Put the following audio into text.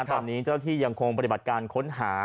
ตอนนี้เจ้าที่ยังคงปฏิบัติการค้นหา